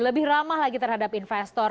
lebih ramah lagi terhadap investor